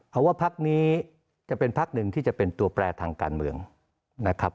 เพราะว่าพักนี้จะเป็นพักหนึ่งที่จะเป็นตัวแปรทางการเมืองนะครับ